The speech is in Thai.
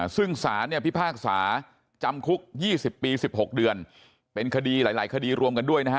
ซึ่งสารเนี่ยพิพากษาจำคุก๒๐ปี๑๖เดือนเป็นคดีหลายคดีรวมกันด้วยนะฮะ